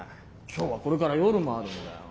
今日はこれから夜もあるんだよ。